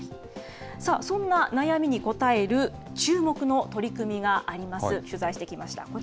そんな悩みに応えるチューモク！の取り組みを取材してきました。